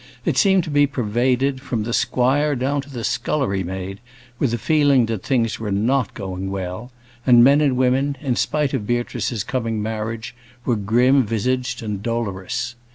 It seemed to be pervaded, from the squire down to the scullery maid, with a feeling that things were not going well; and men and women, in spite of Beatrice's coming marriage, were grim visaged, and dolorous.